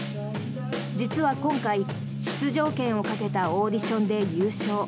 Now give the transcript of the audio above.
実は、今回出場権をかけたオーディションで優勝。